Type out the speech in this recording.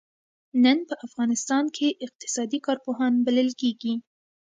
نن په افغانستان کې اقتصادي کارپوهان بلل کېږي.